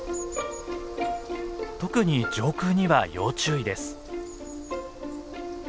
特に上空には要注意です。